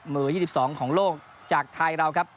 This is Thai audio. มือ๒๒ของโลกจากไทยเราครับ